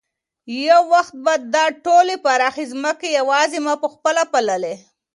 یو وخت به دا ټولې پراخې ځمکې یوازې ما په خپله پاللې.